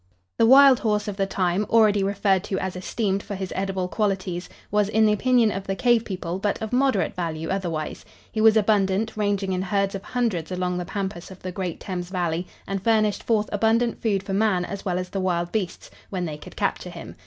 The wild horse of the time, already referred to as esteemed for his edible qualities, was, in the opinion of the cave people, but of moderate value otherwise. He was abundant, ranging in herds of hundreds along the pampas of the great Thames valley, and furnished forth abundant food for man as well as the wild beasts, when they could capture him.